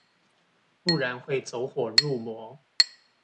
不然會走火入魔